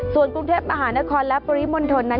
ส่วนกรุงเทพฯอาหารนครและปริมนตรนั้น